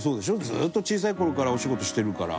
ずっと小さい頃からお仕事してるから。